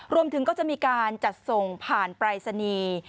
รวมถึงก็จะมีการจัดส่งผ่านปรายศนีย์